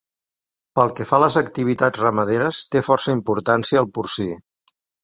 Pel que fa a les activitats ramaderes, té força importància el porcí.